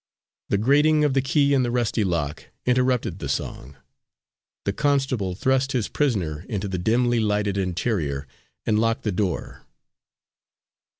"_ The grating of the key in the rusty lock interrupted the song. The constable thrust his prisoner into the dimly lighted interior, and locked the door.